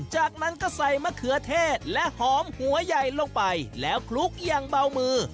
จากนั้นก็ใส่มะเขือเทศและหอมหัวใหญ่ลงไปแล้วคลุกอย่างเบามือ